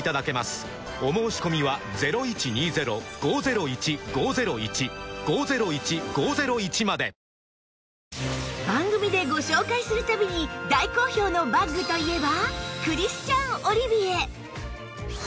お申込みは番組でご紹介する度に大好評のバッグといえば